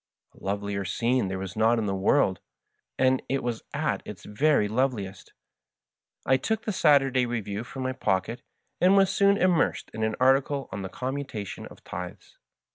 A lovelier scene there is not in the world, and it was at its very loveliest. I took the " Saturday Re view" from my pocket, and was soon immersed in an article on the commutation of tithes.